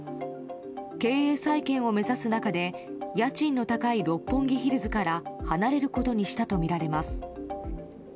経営再建を目指す中で家賃の高い六本木ヒルズから離れることにしたとみられます。